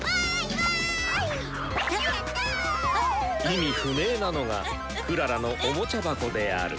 意味不明なのが「クララのおもちゃ箱」である。